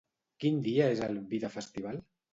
Quin dia és el Vida Festival?